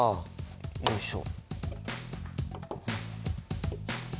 よいしょ。